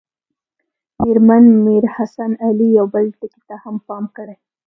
مېرمن میر حسن علي یو بل ټکي ته هم پام کړی.